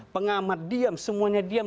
pengamat diam semuanya diam